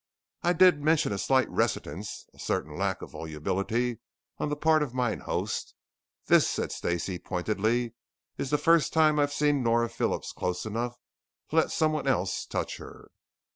"I did mention a slight reticence; a certain lack of volubility on the part of mine host. This," said Stacey pointedly, "is the first time I've seen Nora Phillips close enough to let someone else touch her."